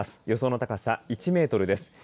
予想の高さ１メートルです。